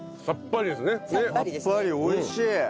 さっぱり美味しい。